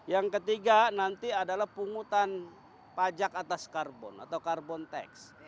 yang ketiga nanti adalah pungutan pajak atas karbon atau carbon tax